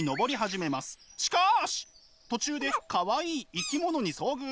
しかし途中でかわいい生き物に遭遇！